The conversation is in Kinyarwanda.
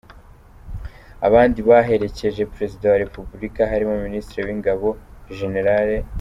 Abandi baherekeje perezida wa republika harimo minisitiri w’ingabo gen.